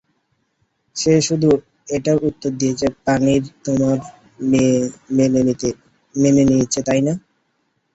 সে শুধু এটার উত্তর দিয়েছে পনির, তোমার মেয়ে মেনে নিয়েছে, তাই না?